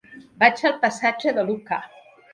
Vaig al passatge de Lucà.